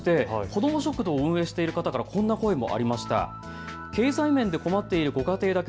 子ども食堂を運営している方からこんな声も。